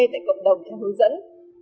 tại cộng đồng theo hướng dẫn